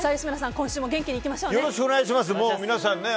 今週も元気にいきましょうね。